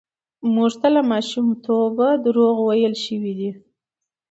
موږ ته له ماشومتوبه دروغ ويل شوي دي.